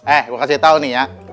eh gue kasih tau nih ya